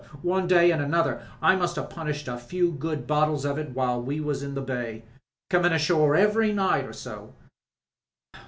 One way an' another I must 'ave punished a good few bottles of it while we was in the bay — comin' ashore every night or so.